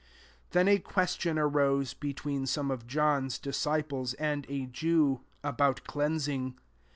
25 Then a question arose be ween 9<fme of John's d^iples tnd a Jew, about el^nsifig.